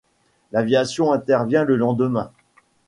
L'aviation intervient le lendemain.